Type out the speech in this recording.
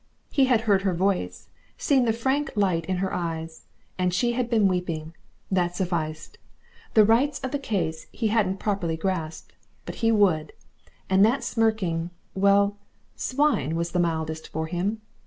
He had heard her voice, seen the frank light in her eyes, and she had been weeping that sufficed. The rights of the case he hadn't properly grasped. But he would. And that smirking well, swine was the mildest for him.